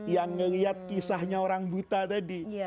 yang melihat kisahnya orang buta tadi